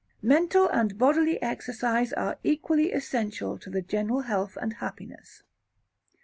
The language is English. Mental and bodily exercise are equally essential to the general health and happiness.